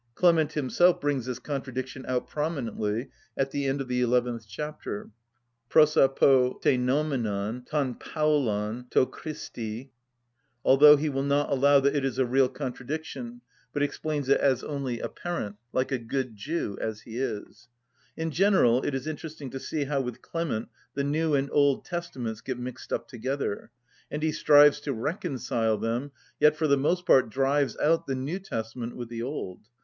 Clement himself brings this contradiction out prominently at the end of the eleventh chapter (προσαποτεινομενον τον Παυλον τῳ Κριστῃ κ.τ.λ.), although he will not allow that it is a real contradiction, but explains it as only apparent,—like a good Jew, as he is. In general it is interesting to see how with Clement the New and the Old Testament get mixed up together; and he strives to reconcile them, yet for the most part drives out the New Testament with the Old.